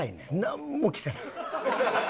なんも来てない。